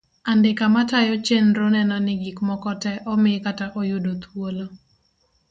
Andika matayo chenro neno ni gik moko tee omi kata oyudo thuolo.